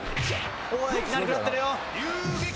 うわっいきなり食らってるよ。